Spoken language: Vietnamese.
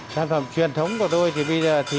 sản phẩm truyền thống của tôi bây giờ